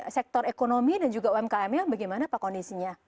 sektor ekonomi dan juga umkm nya bagaimana pak kondisinya